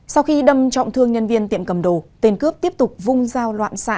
sau khi đâm trọng thương nhân viên tiệm cầm đồ tên cướp tiếp tục vung dao loạn xạ